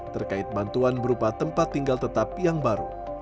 terkait bantuan berupa tempat tinggal tetap yang baru